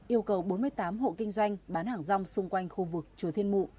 yêu cầu bốn mươi tám hộ kinh doanh bán hàng rong xung quanh khu vực chùa thiên mụ